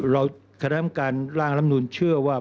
คณะกรรมการร่างรัฐธรรมนูนเชื่อว่า